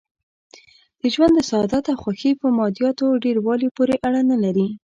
د ژوند سعادت او خوښي په مادیاتو ډېر والي پورې اړه نه لري.